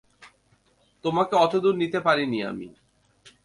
তোমাকে অতদূর নিতে পারিনি আমি।